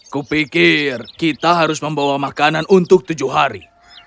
kupikir kita harus membawa makanan untuk tujuh hari